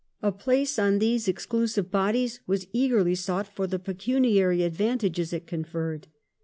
A place on these exclusive bodies was eagerly sought for the pecuniary advantages it conferred.